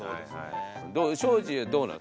庄司はどうなの？